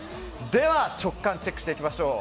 では直感チェックしていきましょう。